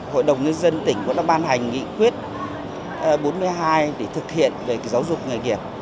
hội đồng nhân dân tỉnh cũng đã ban hành nghị quyết bốn mươi hai để thực hiện về giáo dục nghề nghiệp